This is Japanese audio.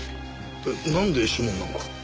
なんで指紋なんか？